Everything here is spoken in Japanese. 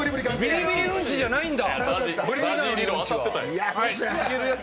ビリビリうんちじゃないんだ。